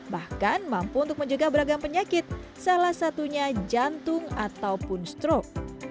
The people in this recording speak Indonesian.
bahkan mampu untuk menjaga beragam penyakit salah satunya jantung ataupun strok